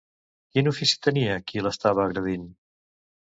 Quin ofici tenia qui l'estava agredint?